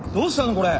これ。